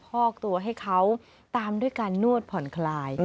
พอกตัวให้เขาตามด้วยการนวดผ่อนคลาย